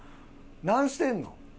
何してんの？